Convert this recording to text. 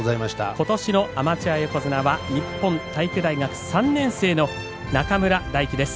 ことしのアマチュア横綱は日本体育大学３年生の中村泰輝です。